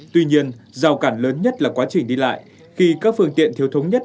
tuy nhiên giao cản lớn nhất là quá trình đi lại khi các phương tiện thiếu thống nhất